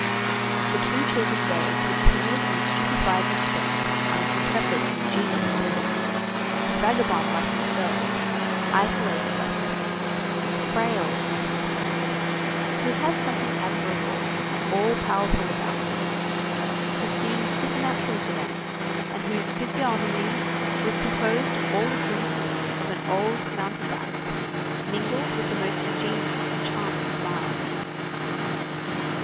The two children gazed with timid and stupefied respect on this intrepid and ingenious being, a vagabond like themselves, isolated like themselves, frail like themselves, who had something admirable and all powerful about him, who seemed supernatural to them, and whose physiognomy was composed of all the grimaces of an old mountebank, mingled with the most ingenuous and charming smiles.